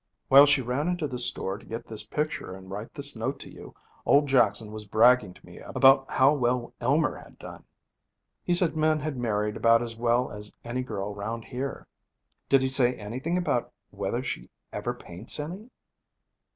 While she ran into the store to get this picture and write this note to you, old Jackson was bragging to me about how well Elmer had done. He said Min had married about as well as any girl round here.' 'Did he say anything about whether she ever paints any?'